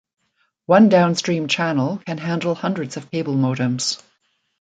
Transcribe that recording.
One downstream channel can handle hundreds of cable modems.